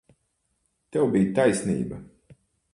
Tev bija taisnība.